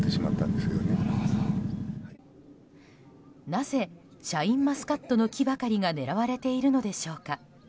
なぜシャインマスカットの木ばかりが狙われているのでしょうか。